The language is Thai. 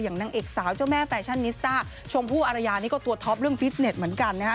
นางเอกสาวเจ้าแม่แฟชั่นนิสต้าชมพู่อารยานี่ก็ตัวท็อปเรื่องฟิตเน็ตเหมือนกันนะฮะ